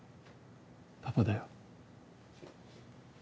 パパだよ。